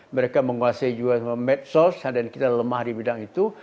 mereka menguasai juga sama medsos dan kita lemah di bidang itu